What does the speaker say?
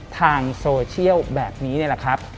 ทางโซเชียลแบบนี้นี่แหละครับ